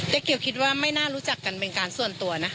เกียวคิดว่าไม่น่ารู้จักกันเป็นการส่วนตัวนะ